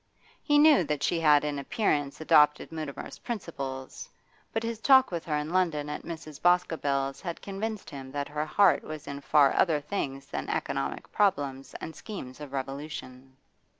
He knew that she had in appearance adopted Mutimer's principles, but his talk with her in London at Mrs. Boscobel's had convinced him that her heart was in far other things than economic problems and schemes of revolution.